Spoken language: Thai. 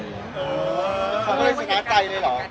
ยังไม่เข้าใจเฉยงานที่สนักงาน